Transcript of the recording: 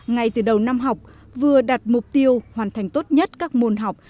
ngay từ đầu năm học vừa đặt mục tiêu hoàn thành tốt nhất các môn học